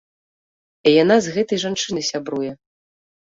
І яна з гэтай жанчынай сябруе.